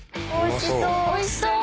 おいしそう！